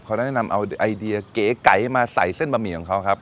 เขาแนะนำเอาไอเดียเก๋ไก๋มาใส่เส้นบะหมี่ของเขาครับ